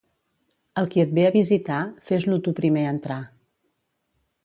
El qui et ve a visitar, fes-lo tu primer entrar.